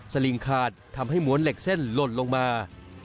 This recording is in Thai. ลิงขาดทำให้ม้วนเหล็กเส้นหล่นลงมา